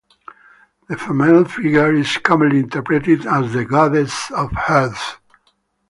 The female figure is commonly interpreted as the goddess of health.